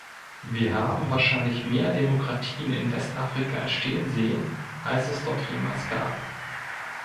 Wir haben wahrscheinlich mehr Demokratien in Westafrika entstehen sehen, als es dort jemals gab.